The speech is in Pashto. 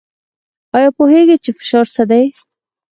ایا پوهیږئ چې فشار څه دی؟